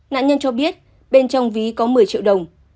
nạn nhân cho biết bên trong ví có một mươi triệu đồng